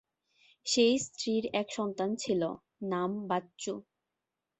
সেই স্ত্রীর এক সন্তান ছিল, নাম বাচ্চু।